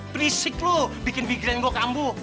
berisik lu bikin pikiran gue kambu